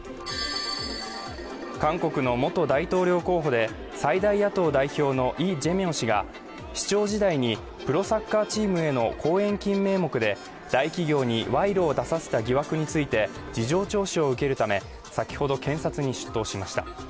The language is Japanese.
韓国の元大統領候補で最大野党代表のイ・ジェミョン氏が市長時代にプロサッカーチームへの後援金名目で大企業に賄賂を出させた疑惑について事情聴取を受けるため先ほど検察に出頭しました